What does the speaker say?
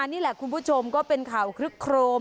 นี่แหละคุณผู้ชมก็เป็นข่าวคลึกโครม